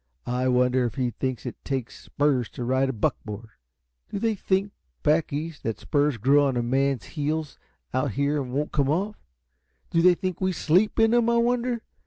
I wonder if he thinks it takes spurs to ride a buckboard? Do they think, back East, that spurs grow on a man's heels out here and won't come off? Do they think we SLEEP in 'em, I wonder?"